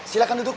silakan duduk pak